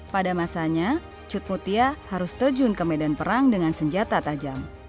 pada masanya cut mutia harus terjun ke medan perang dengan senjata tajam